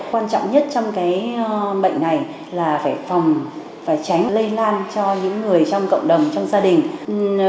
quan trọng nhất trong bệnh này là phải phòng và tránh lây lan cho những người trong cộng đồng trong gia đình